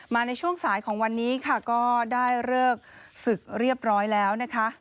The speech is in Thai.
ในช่วงสายของวันนี้ค่ะก็ได้เลิกศึกเรียบร้อยแล้วนะคะ